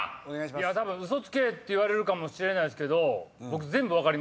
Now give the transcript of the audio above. いやたぶん嘘つけ！って言われるかもしれないんすけど。